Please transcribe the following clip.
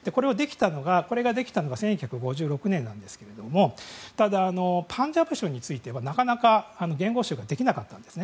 これができたのは１９５６年なんですけれどもただ、パンジャブ州についてはなかなか言語州ができなかったんですね。